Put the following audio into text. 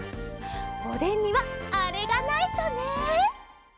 おでんにはあれがないとね。